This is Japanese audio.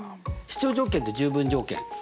必要条件と十分条件